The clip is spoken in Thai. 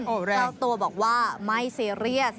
เจ้าตัวบอกว่าไม่ซีเรียส